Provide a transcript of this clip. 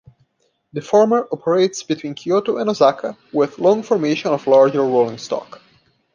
The former operates between Kyoto and Osaka with long formation of larger rolling stock.